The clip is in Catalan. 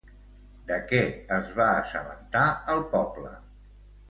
De què es va assabentar el poble?